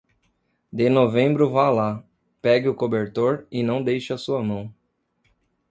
De novembro vá lá, pegue o cobertor e não deixe a sua mão.